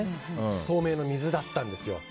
透明の水だったんですよ。